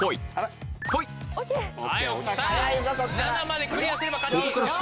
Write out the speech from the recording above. ７までクリアすれば勝ち。